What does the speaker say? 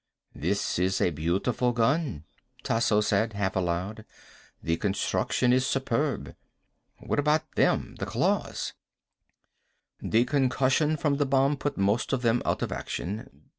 "This is a beautiful gun," Tasso said, half aloud. "The construction is superb." "What about them? The claws." "The concussion from the bomb put most of them out of action.